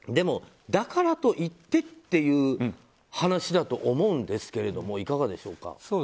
だからといってっていう話だと思うんですけれどもいかがでしょうか？